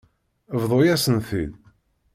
Bḍu-yasen-t-id.